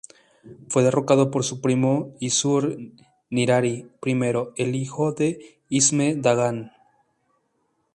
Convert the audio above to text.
Fue derrocado por su primo Assur-nirari I, el hijo de Ishme-Dagan.